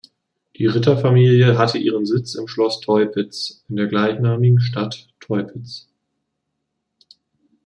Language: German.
Die Ritterfamilie hatte ihren Sitz im Schloss Teupitz in der gleichnamigen Stadt Teupitz.